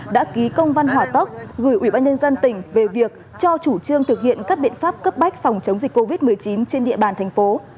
đã ký công văn hỏa tốc gửi ủy ban nhân dân tỉnh về việc cho chủ trương thực hiện các biện pháp cấp bách phòng chống dịch covid một mươi chín trên địa bàn thành phố